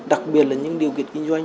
đặc biệt là những điều kiện kinh doanh